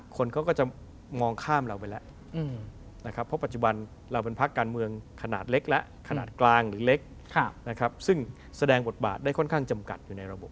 คนเขาก็จะมองข้ามเราไปแล้วนะครับเพราะปัจจุบันเราเป็นพักการเมืองขนาดเล็กและขนาดกลางหรือเล็กนะครับซึ่งแสดงบทบาทได้ค่อนข้างจำกัดอยู่ในระบบ